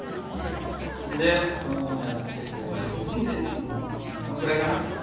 でこうやってこうやってこのくらいかな。